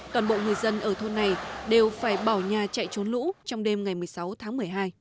toàn bộ người dân ở thôn này đều phải bỏ nhà chạy trốn lũ trong đêm ngày một mươi sáu tháng một mươi hai